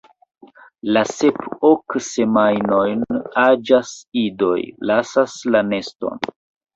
La sep–ok semajnojn aĝaj idoj lasas la neston.